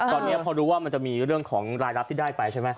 ตอนนี้พอรู้ว่ามันจะมีเรื่องของรายรับที่ได้ไปใช่ไหม